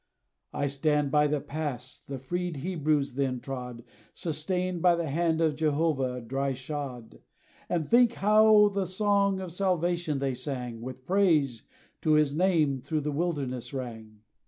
I stand by the pass, the freed Hebrews then trod, Sustained by the hand of Jehovah, dry shod; And think how the song of salvation, they sang, With praise to his name, through the wilderness rang.